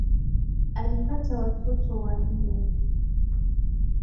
Alipata watoto wanne